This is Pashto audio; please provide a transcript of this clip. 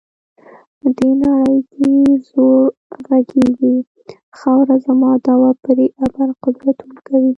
دې نړۍ کې زور غږیږي، خاوره زما دعوه پرې ابر قدرتونه کوي.